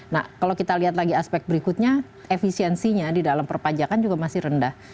nah kalau kita lihat lagi aspek berikutnya efisiensinya di dalam perpajakan juga masih rendah